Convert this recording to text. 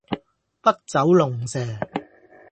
筆走龍蛇